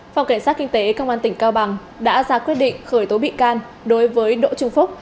phòng cảnh sát kinh tế công an tỉnh cao bằng đã ra quyết định khởi tố bị can đối với đỗ trung phúc